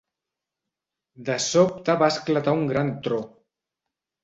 De sobte va esclatar un gran tro.